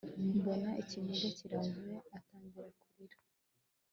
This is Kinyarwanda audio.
mbona ikiniga kiraje atangira kurira